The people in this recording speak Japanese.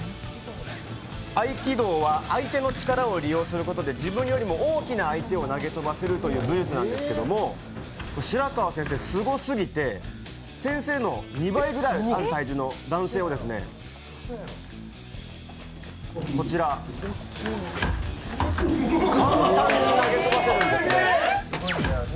合気道は相手の力を利用することで自分よりも大きな相手を投げ飛ばせるという武術なんですけど白川先生、すごすぎて先生の２倍ぐらいある体重の男性を簡単に投げ飛ばせるんですね。